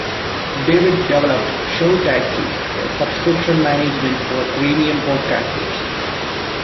David developed ShowTaxi, a subscription management for premium podcasters.